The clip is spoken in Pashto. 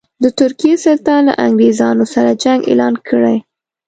د ترکیې سلطان له انګرېزانو سره جنګ اعلان کړی.